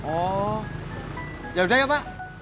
oh yaudah ya pak